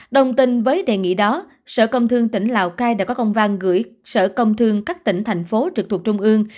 đồng tình với đề nghị đó sở công thương tỉnh lào cai đã có công văn gửi sở công thương các tỉnh thành phố trực thuộc trung ương